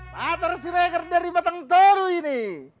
pak tersireker dari batang toru ini